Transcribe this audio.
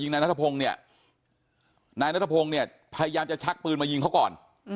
นายนัทธวงศ์เนี่ยพยายามจะชักปืนมายิงเขาก่อน